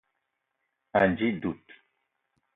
Ànji dud